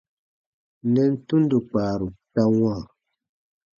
Nɛn tundo kpaaru ta wãa.